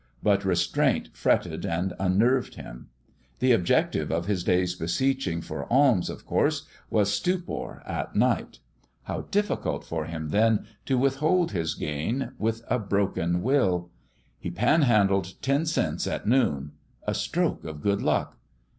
But restraint fretted and unnerved him. The objective of his day's beseeching for alms, of course, was stupor at night ; how diffi cult for him, then, to withhold his gain with a broken will 1 He panhandled ten cents at noon. A stroke of good luck